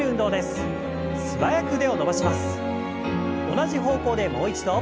同じ方向でもう一度。